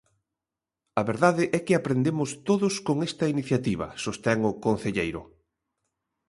A verdade é que aprendemos todos con esta iniciativa, sostén o concelleiro.